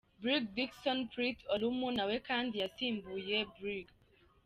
Brig Dickson Prit Olum nawe kandi yasimbuye Brig.